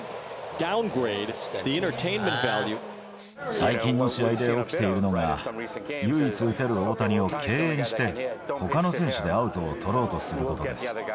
最近の試合で起きているのが、唯一打てる大谷を敬遠して、ほかの選手でアウトを取ろうとすることです。